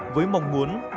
với mong muốn